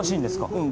うん。